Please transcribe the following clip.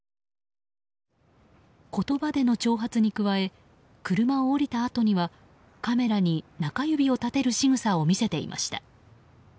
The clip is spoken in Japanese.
言葉での挑発に加え車を降りたあとにはカメラに中指を立てるしぐさを見せていました。